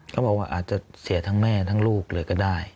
เขาบอกว่าอาจจะเสียทั้งแม่ทั้งลูกเลยก็ได้